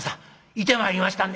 行ってまいりましたんで」。